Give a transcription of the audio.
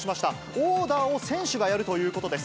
オーダーを選手がやるということです。